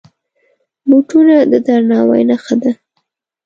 بوټونه د درناوي نښه ده.